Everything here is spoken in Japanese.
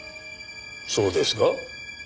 そうですが？